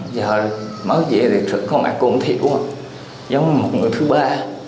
giờ mới về thì thực sự có mẹ của ông thiệu giống một người thứ ba